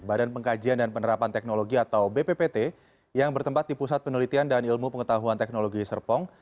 badan pengkajian dan penerapan teknologi atau bppt yang bertempat di pusat penelitian dan ilmu pengetahuan teknologi serpong